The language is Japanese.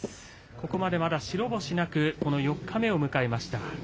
ここまでまだ白星なく、この４日目を迎えました。